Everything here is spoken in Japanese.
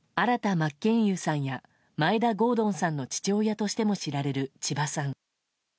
真剣佑さんや眞栄田郷敦さんの父親としても知られる千葉さん。